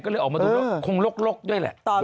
ก็เลยออกมาดูคงลกด้วยแหละ